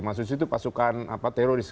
mas jose itu pasukan apa teroris